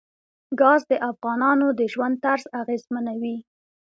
ګاز د افغانانو د ژوند طرز اغېزمنوي.